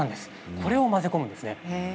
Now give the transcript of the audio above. これを混ぜ込むんですね。